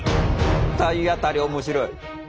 体当たり面白い。